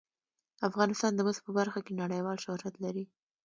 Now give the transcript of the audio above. افغانستان د مس په برخه کې نړیوال شهرت لري.